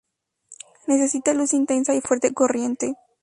Necesita luz intensa y fuerte corriente.